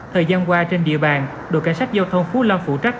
thời gian qua trên địa bàn đội cảnh sát giao thông phú long phụ trách